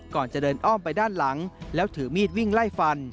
ก่อนจะเดินอ้อมไปด้านหลังแล้วถือมีดวิ่งไล่ฟัน